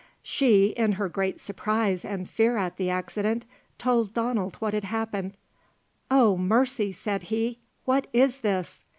She, in her great surprise and fear at the accident, told Donald what had happened. "O mercy," said he, "what is this?"